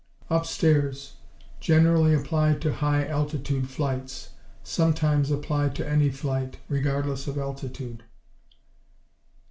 Upstairs Generally applied to high altitude flights. Sometimes applied to any flight, regardless of altitude.